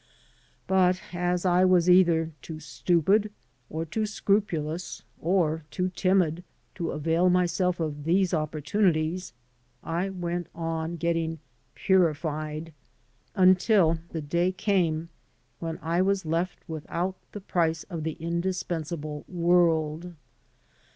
But as I was either too stupid or too scrupulous or too timid to avail myself of these opportunities, I went on getting purified, until the day came when I was left without the price of the indispensable World.